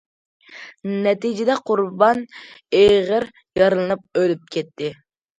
نەتىجىدە قۇربان ئېغىر يارىلىنىپ ئۆلۈپ كەتتى.